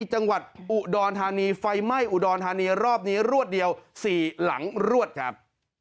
จังหวัดอุดรธานีไฟไหม้อุดรธานีรอบนี้รวดเดียว๔หลังรวดครับ